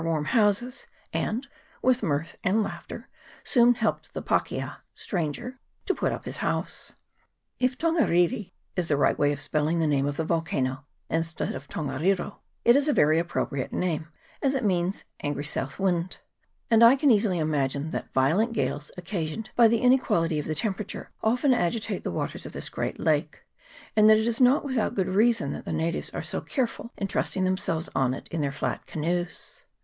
363 warm houses, and, with mirth and laughter, soon helped the pakea (stranger) to put up his house. If Tongariri is the right way of spelling the name of the volcano, instead of Tongariro, it is a very appropriate name, as it means " angry south wind ;" and I can easily imagine that violent gales, occa sioned by the inequality of the temperature, often agitate the waters of this great lake, and that it is not without good reason that the natives are so careful in trusting themselves on it in their flat canoes.